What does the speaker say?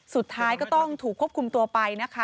สุดท้ายก็ต้องถูกควบคุมตัวไปนะคะ